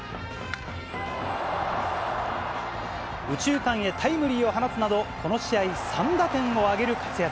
右中間へタイムリーを放つなど、この試合、３打点を挙げる活躍。